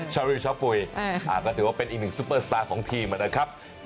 ชาริวชะปุยก็ถือว่าเป็นอีกหนึ่งซุปเปอร์สตาร์ของทีมนะครับ